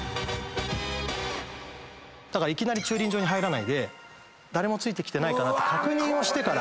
いきなり駐輪場に入らないで誰もついてきてないかなって確認をしてから。